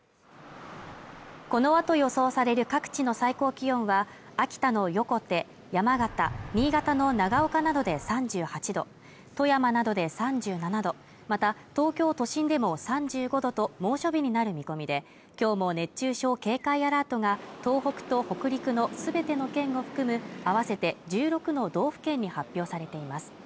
このあと予想される各地の最高気温は秋田の横手、山形、新潟の長岡などで３８度富山などで３７度また東京都心でも３５度と猛暑日になる見込みできょうも熱中症警戒アラートが東北と北陸のすべての県を含む合わせて１６の道府県に発表されています